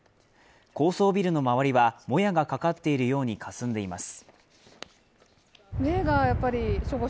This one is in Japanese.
高層ビルの周りはもやがかかっているようにかすんでいます。